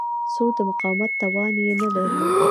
خو د مقاومت توان یې نه درلود.